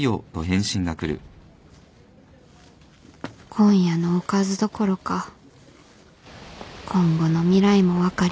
今夜のおかずどころか今後の未来も分かりませんよ